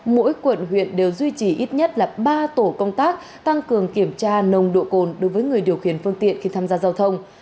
mỗi quận huyện đều duy trì ít nhất là ba tổ công tác tăng cường kiểm tra nồng độ cồn đối với người điều khiển phương tiện khi tham gia giao thông